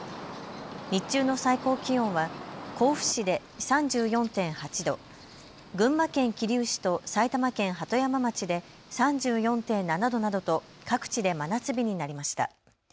日中の最高気温は甲府市で３４．８度、群馬県桐生市と埼玉県鳩山町で３４．７度などと各地で真夏日になりました。